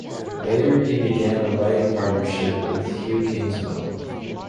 Later, he began a writing partnership with Hugh Kingsmill.